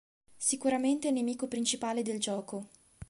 Sicuramente il nemico principale del gioco.